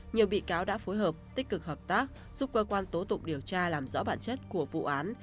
nhiều bị cáo đã phối hợp tích cực hợp tác giúp cơ quan tố tụng điều tra làm rõ bản chất của vụ án